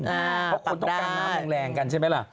เพราะคนต้องการน้ำแรงกันใช่ไหมล่ะ